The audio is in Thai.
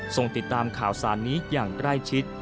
ส่งติดตามข่าวสารนี้อย่างใกล้ชิด